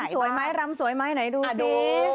รำสวยไหมรำสวยไหมหน่อยดูสิ